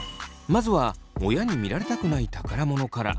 まずは親に見られたくない宝物から。